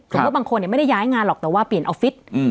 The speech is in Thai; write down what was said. ถูกว่าบางคนเนี้ยไม่ได้ย้ายงานหรอกแต่ว่าเปลี่ยนออฟฟิศอืม